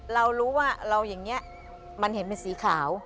เรารู้ว่าเรามันเห็นเป็นสีขาว